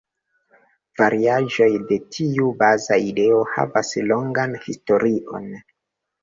Variaĵoj de tiu baza ideo havas longan historion.